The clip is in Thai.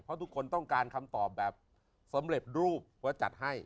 เพราะทุกคนต้องการคำตอบแบบสำเร็จรูปว่าจัดให้